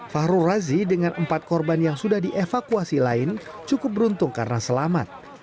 fahrul razi dengan empat korban yang sudah dievakuasi lain cukup beruntung karena selamat